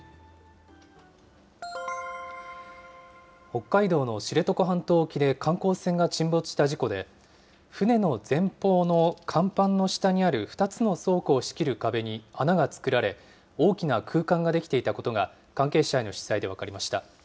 北海道の知床半島沖で観光船が沈没した事故で、船の前方の甲板の下にある２つの倉庫を仕切る壁に穴が作られ、大きな空間が出来ていたことが、関係者への取材で分かりました。